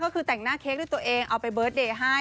ก็คือแต่งหน้าเค้กด้วยตัวเองเอาไปเบิร์ตเดย์ให้